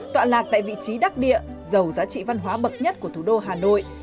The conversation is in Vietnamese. tọa lạc tại vị trí đắc địa giàu giá trị văn hóa bậc nhất của thủ đô hà nội